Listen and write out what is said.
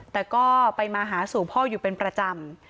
แต่ก็ไปมาหาสู่พ่ออยู่เป็นประจำ